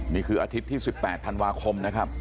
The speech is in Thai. นี่คืออาทิตย์ที่๑๘ธันวาคมนะครับ